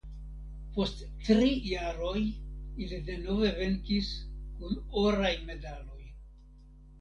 Post tri jaroj ili denove venkis kun oraj medaloj.